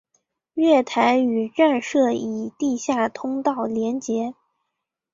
月台与站舍以地下通道连结。